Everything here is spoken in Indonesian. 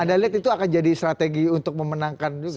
anda lihat itu akan jadi strategi untuk memenangkan juga